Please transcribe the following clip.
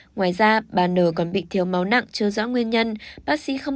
ngoài ra bà n còn bị thiếu máu nặng chưa rõ nguyên nhân